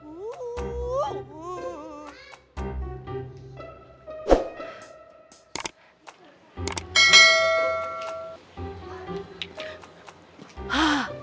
uh uh uh